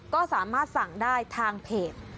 ก็สามารถสั่งได้ทางเพจ